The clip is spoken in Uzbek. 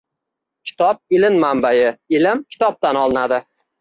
Kitob – ilm manbai. Ilm kitobdan olinadi.